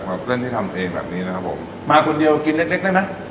กับเส้นที่ทำเองแบบนี้นะครับผมมาคนเดียวกินเล็กเล็กได้ไหม